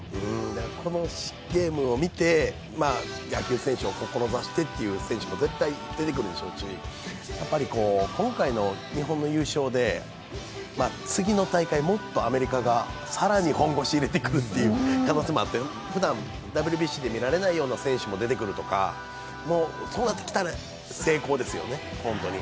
このゲームを見て野球選手を志してという選手も絶対出てくるでしょうし、今回の日本の優勝で次の大会、もっとアメリカが更に本腰を入れてくる可能性もあってふだんＷＢＣで見られないような選手も出てくるとかそうなってきたら成功ですよね、本当に。